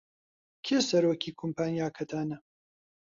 کێ سەرۆکی کۆمپانیاکەتانە؟